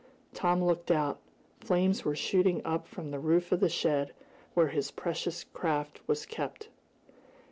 Tom looked out. Flames were shooting up from the roof of the shed where his precious craft was kept.